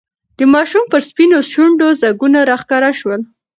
د ماشوم پر سپینو شونډو ځگونه راښکاره شول.